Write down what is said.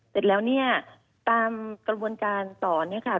เสร็จแล้วเนี่ยตามกระบวนการต่อเนี่ยค่ะ